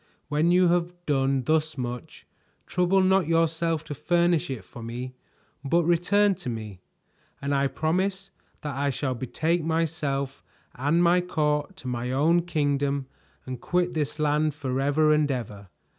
When you have done thus much, trouble not yourself to furnish it for me, but return to me, and I promise that I shall betake myself and my court to my own kingdom and quit this land forever and ever.